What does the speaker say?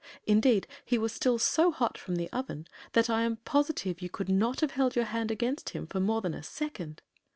Indeed, he was still so hot from the oven that I am positive you could not have held your hand against him for more than a second.